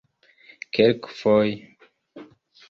kelkfoje